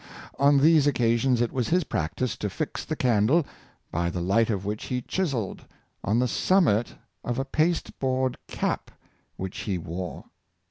On these occasions it was his practice to fix the candle, by the light of which he chisseled, on the summit of a pasteboard cap which he wore.